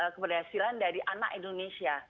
keberhasilan dari anak indonesia